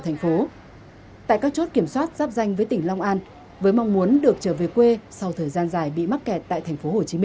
tại các chỗ kiểm soát giáp danh với tỉnh long an với mong muốn được trở về quê sau thời gian dài bị mắc kẹt tại tp hcm